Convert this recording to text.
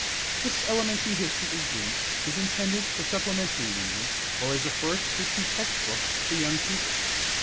This elementary history of Greece is intended for supplementary reading or as a first history text book for young pupils.